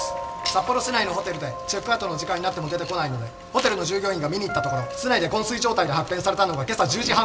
札幌市内のホテルでチェックアウトの時間になっても出てこないのでホテルの従業員が見に行ったところ室内で昏睡状態で発見されたのが今朝１０時半ごろです。